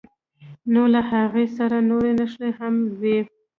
نو له هغې سره نورې نښې هم وي.